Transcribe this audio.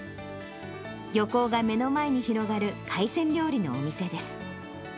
漁港が目の前に広がる海鮮料理のお店です。